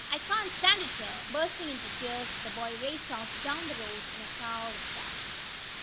I can't stand it here!" Bursting into tears, the boy raced off down the road in a cloud of dust.